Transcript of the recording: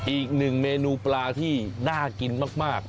อีกหนึ่งเมนูปลาที่น่ากินมาก